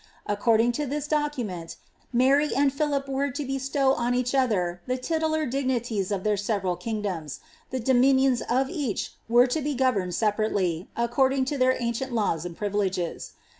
According to this documenl, Mary and Philip were lo bestow on each other the litulu dignities of their several kingdoms; the dominions of each were to be governed separately, according to their ancient laws and privileges.